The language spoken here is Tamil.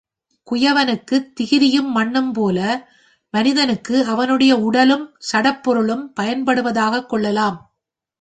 குயவனுக்குத் திகிரியும் மண்ணும் போல, மனிதனுக்கு அவனுடைய உடலும் சடப் பொருளும் பயன்படுவதாகக் கொள்ளலாம்.